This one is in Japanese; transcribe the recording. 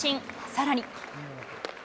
さらに。